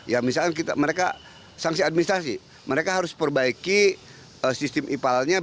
ya misalnya kita mereka sanksi administrasi mereka harus perbaiki sistem ipalannya biologis dan juga kesehatan